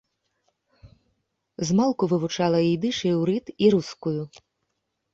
Змалку вывучыла ідыш, іўрыт і рускую.